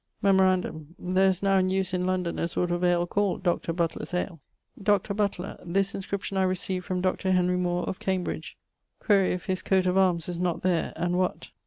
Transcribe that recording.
Memorandum: There is now in use in London a sort of ale called Dr. Butler's ale. Dr. Butler: This inscription I recieved from Dr. Henry Moore of ... Cambridge. Quaere if his coat of arms is not there, and what?